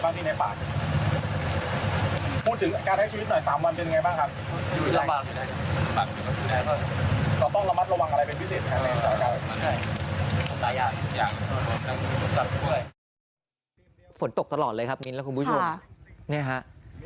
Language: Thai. มันมีความยากลำบากยังไงบ้างที่ในปาก